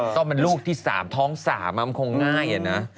ก็มันลูกที่สามท้องสามคงง่ายอะนะ